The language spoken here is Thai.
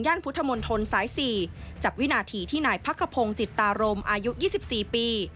พุทธมนตรสาย๔จับวินาทีที่นายพักขพงศ์จิตตารมอายุ๒๔ปี